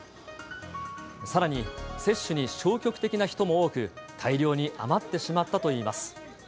さらに接種に消極的な人も多く、大量に余ってしまったといいます。